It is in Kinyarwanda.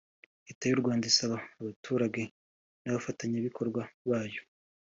Leta y’u Rwanda isaba abaturage n’abafatanyabikorwa bayo